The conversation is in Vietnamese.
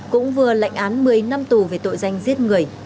cũng vừa lệnh án một mươi năm tù về tội danh giết người